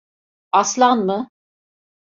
Aslan mı?